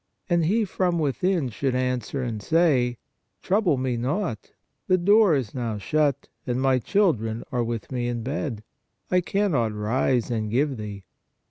And he from within should answer and say: Trouble me not, the door is now shut, and my children are with me in bed ; I can not rise and give thee.